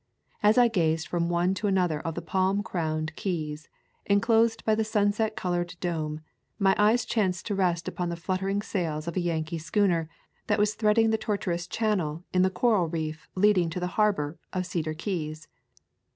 As I gazed from one to another of the palm crowned keys, en closed by the sunset colored dome, my eyes chanced to rest upon the fluttering sails of a Yankee schooner that was threading the tor tuous channel in the coral reef leading to the harbor of Cedar Keys.